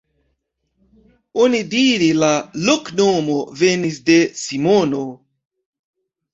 Onidire la loknomo venis de Simono.